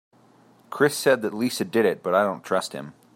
Chris said that Lisa did it but I don’t trust him.